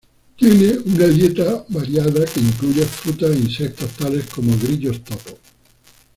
Tiene una dieta variada que incluye frutas e insectos tales como grillos topo.